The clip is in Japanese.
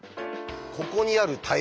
ここにある大砲。